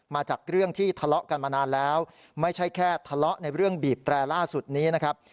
มาจากเรื่องที่ทะเลาะกันมานานแล้วไม่ใช่แค่ทะเลาะในเรื่องบีบแตรล่าสุดนี้นะครับ